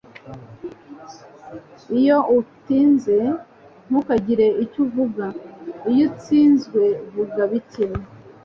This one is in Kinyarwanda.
Iyo utsinze, ntukagire icyo uvuga. Iyo utsinzwe, vuga bike.